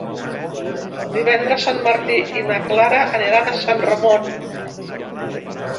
Divendres en Martí i na Clara aniran a Sant Ramon.